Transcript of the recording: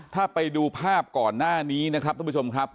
ถ้าไปดูภาพก่อนหน้านี้นะครับท่านผู้ชมครับ